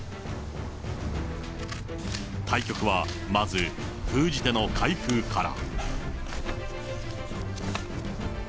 対局は、まず封じ手の開封から。